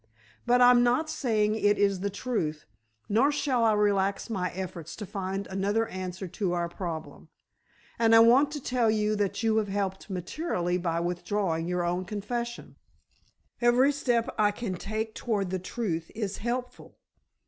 But I'm not saying it is the truth, nor shall I relax my efforts to find another answer to our problem. And I want to tell you that you have helped materially by withdrawing your own confession. Every step I can take toward the truth is helpful.